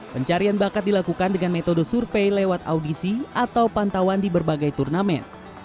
pencarian bakat dilakukan dengan metode survei lewat audisi atau pantauan di berbagai turnamen